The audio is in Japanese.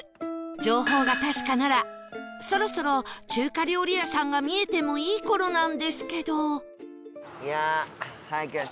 情報が確かならそろそろ中華料理屋さんが見えてもいい頃なんですけど